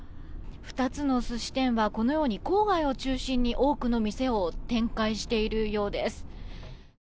２つの寿司店はこのように郊外を中心に多くの店を展開しているようです。